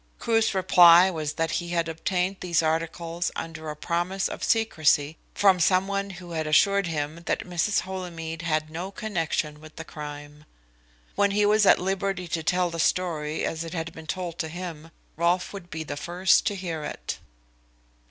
Crewe's reply was that he had obtained these articles under a promise of secrecy from some one who had assured him that Mrs. Holymead had no connection with the crime. When he was at liberty to tell the story as it had been told to him, Rolfe would be the first to hear it.